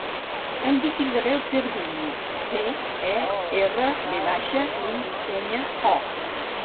Em dic Isabel Cerviño: ce, e, erra, ve baixa, i, enya, o.